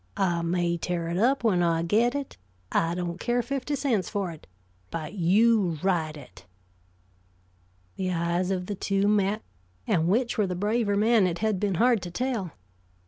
I may tear it up when I get it I don't care fifty cents for it but you write it!" The eyes of the two met, and which were the braver man it had been hard to tell.